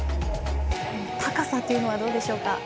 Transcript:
高さというのはどうでしょうか。